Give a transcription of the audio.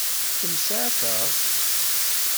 Ad kem-seɛfeɣ?